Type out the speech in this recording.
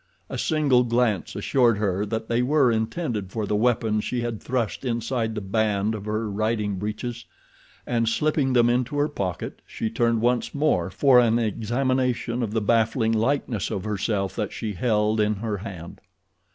A single glance assured her that they were intended for the weapon she had thrust inside the band of her riding breeches, and slipping them into her pocket she turned once more for an examination of the baffling likeness of herself that she held in her hand.